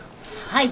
はい。